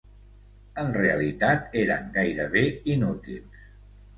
En realitat eren gairebé inútils.